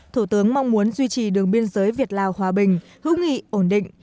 thủ tướng mong muốn duy trì đường biên giới việt lào hòa bình hữu nghị ổn định